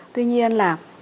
tuy nhiên là